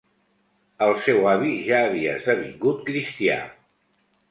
El seu avi ja havia esdevingut cristià.